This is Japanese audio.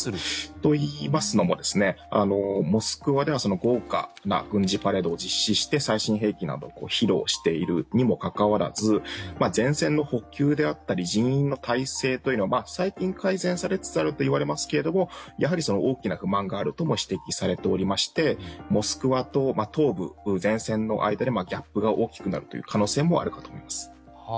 といいますのも、モスクワでは豪華な軍事パレードを実施して、最新兵器などを披露しているにもかかわらず前線の補給であったり人員の体制というのは最近、改善されつつあるといわれますがやはり、大きな不満があるとも指摘されていましてモスクワと東部前線の間でギャップが大きくなるという可能性もあるかと思います。